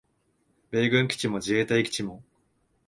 米軍基地も自衛隊基地も